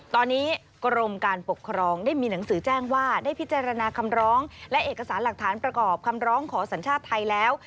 ตอนนี้กรมการปกครองได้มีหนังสือแจ้งว่าได้พิจารณาคำร้องและเอกสารหลักฐานประกอบคำร้องขอสัญชาติไทยแล้ว